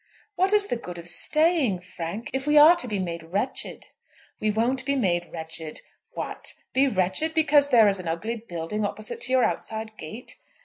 "What is the good of staying, Frank, if we are to be made wretched?" "We won't be made wretched. What! be wretched because there is an ugly building opposite to your outside gate?